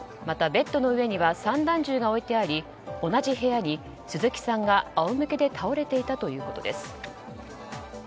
また、ベッドの上には散弾銃が置いてあり同じ部屋に鈴木さんが仰向けで倒れていたということです。